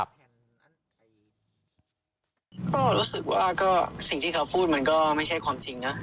ก็รู้สึกว่าก็สิ่งที่เขาพูดมันก็ไม่ใช่ความจริงนะ